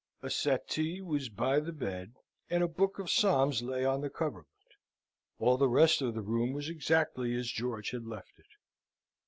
A settee was by the bed, and a book of psalms lay on the coverlet. All the rest of the room was exactly as George had left it.